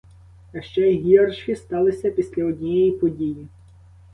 А ще гірші сталися після однієї події.